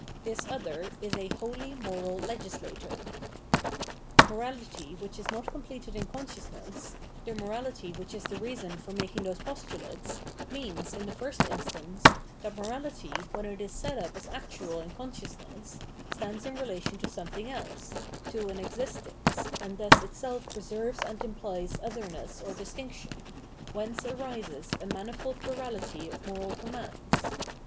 This other is a holy moral legis lator. Morality which is not completed in consciousness, the morality which is the reason for maldng those postulates, means, in the first instance, that morality, when it is set up as actual in consciousness, stands in relation to something else, to an existence, and thus itself preserves and implies otherness or distinction, whence arises a manifold plurality of moral commands.